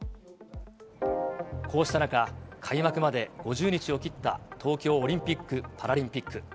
こうした中、開幕まで５０日を切った東京オリンピック・パラリンピック。